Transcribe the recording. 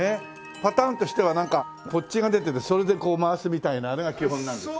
パターンとしてはなんかポッチが出ててそれでこう回すみたいなあれが基本なんですか？